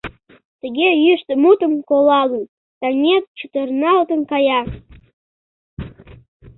Тыге йӱштӧ мутым колалын, Таҥет чытырналтын кая.